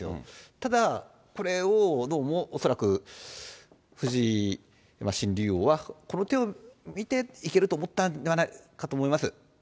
ただ、これをどうも恐らく、藤井新竜王は、この手を見て、いけると思ったのではないかと思います。